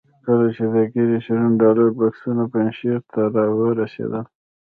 کله چې د ګیري شرون ډالري بکسونه پنجشیر ته را ورسېدل.